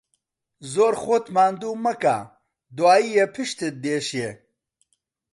زۆر خۆت ماندوو مەکە، دوایێ پشتت دێشێ.